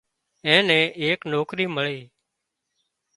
اين نين ايڪ نوڪرِي مۯي